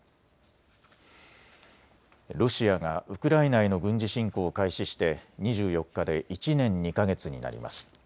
ロシアがウクライナへの軍事侵攻を開始して２４日で１年２か月になります。